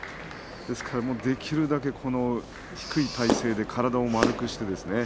ですからできるだけ低い体勢で体を丸くしてですね